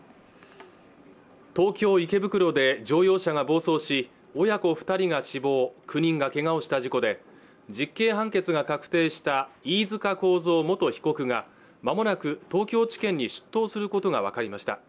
東京池袋で乗用車が暴走し親子二人が死亡９人がけがをした事故で実刑判決が確定した飯塚幸三元被告がまもなく東京地検に出頭することが分かりました